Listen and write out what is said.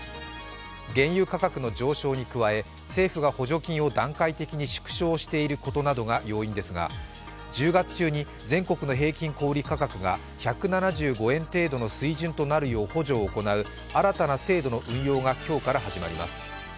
原油価格の上昇に加え、政府が補助金を段階的に縮小していることなどが要因ですが１０月中に全国の平均小売価格が１７５円程度の水準となるよう補助を行う新たな制度の運用が今日から始まります。